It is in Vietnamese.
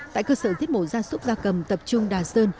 tại cơ sở thiết mộ gia súc gia cầm tập trung đà sơn